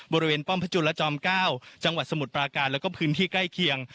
ป้อมพระจุลจอม๙จังหวัดสมุทรปราการแล้วก็พื้นที่ใกล้เคียง